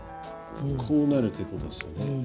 こうなるってことですよね？